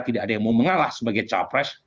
tidak ada yang mau mengalah sebagai capres